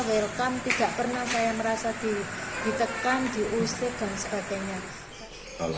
welcome tidak pernah saya merasa ditekan diusut dan sebagainya